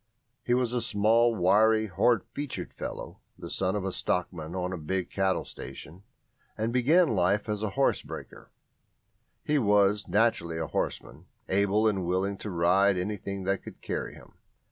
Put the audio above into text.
He was a small, wiry, hard featured fellow, the son of a stockman on a big cattle station, and began life as a horse breaker; he was naturally a horseman, able and willing to ride anything that could carry him.